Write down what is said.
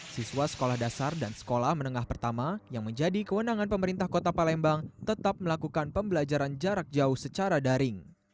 siswa sekolah dasar dan sekolah menengah pertama yang menjadi kewenangan pemerintah kota palembang tetap melakukan pembelajaran jarak jauh secara daring